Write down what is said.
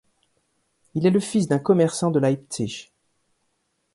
Il est le fils d'un commerçant de Leipzig.